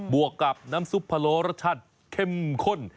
วกกับน้ำซุปพะโลรสชาติเข้มข้น